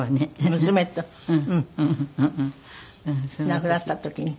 亡くなった時に。